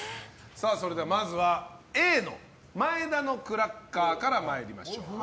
それではまずはＡの前田のクラッカーから参りましょう。